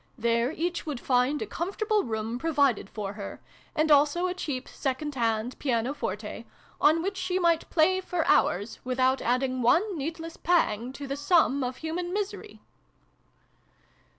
There each would find a comfort able room provided for her, and also a cheap second hand piano forte, on which she might play for hours, without adding one needless pang to the sum of human misery